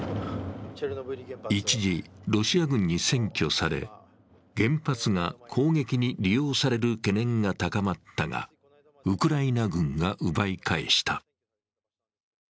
一時、ロシア軍に占拠され、原発が攻撃に利用される懸念が高まったがウクライナ軍が奪い返した。